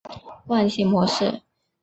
惯性模式。